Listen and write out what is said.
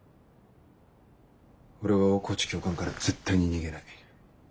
俺は大河内教官から絶対に逃げない。